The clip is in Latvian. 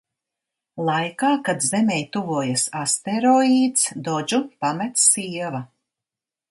Laikā, kad Zemei tuvojas asteroīds, Dodžu pamet sieva.